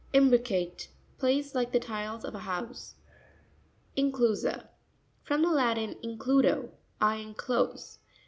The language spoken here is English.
Im'BricaTE.—Placed like the tiles of a house. Incivu'sa.—From the Latin, includo, I enclose.